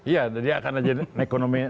iya dia akan menjadi ekonomi